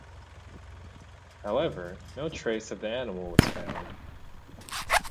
However, no trace of the animal was found.